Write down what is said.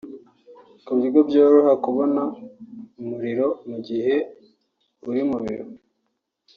ku buryo byoroha kubona umuriro mu gihe uri mu biro